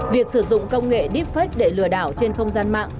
việc sử dụng công nghệ deepfake để lừa đảo trên không gian mạng